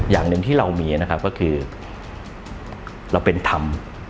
อย่างหนึ่งที่เรามีนะครับก็คือเราเป็นธรรม